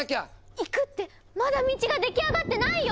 行くってまだ道が出来上がってないよ！